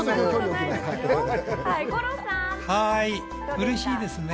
うれしいですね。